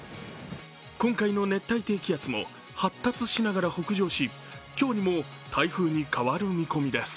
今回の熱帯低気圧も発達しながら北上し今日にも台風に変わる見込みです。